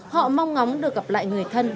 họ mong ngóng được gặp lại người thân